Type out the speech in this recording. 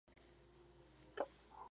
Tiene su sede en Albany.